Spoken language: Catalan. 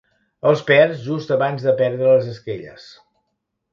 Els perds just abans de perdre les esquelles.